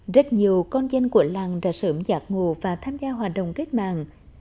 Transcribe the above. rất nhiều con dân của làng đã sớm giặc ngộ và tham gia hoạt động cách mạng